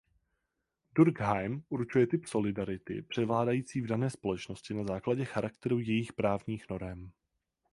Durkheim určuje typ solidarity převládající v dané společnosti na základě charakteru jejích právních norem.